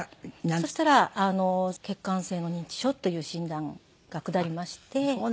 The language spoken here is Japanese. そしたら血管性の認知症という診断が下りまして。